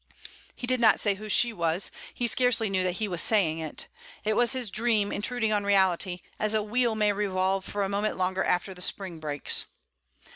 He did not say who she was; he scarcely knew that he was saying it. It was his dream intruding on reality, as a wheel may revolve for a moment longer after the spring breaks.